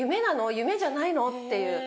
夢じゃないの？っていう。